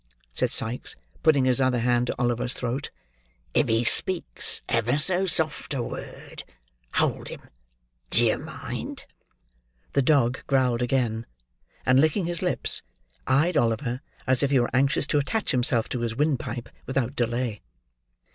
said Sikes, putting his other hand to Oliver's throat; "if he speaks ever so soft a word, hold him! D'ye mind!" The dog growled again; and licking his lips, eyed Oliver as if he were anxious to attach himself to his windpipe without delay.